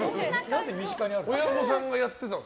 親御さんがやってたの？